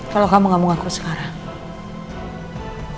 kalau kamu gak mau ngaku sekarang